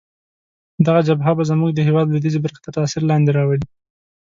دغه جبهه به زموږ د هیواد لویدیځې برخې تر تاثیر لاندې راولي.